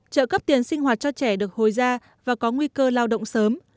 trợ cấp tiền sinh hoạt cho trẻ được hồi ra và có nguy cơ lao động sớm